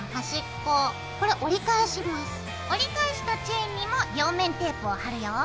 折り返したチェーンにも両面テープを貼るよ。